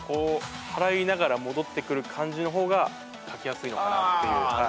払いながら戻ってくる感じの方が書きやすいのかなっていう。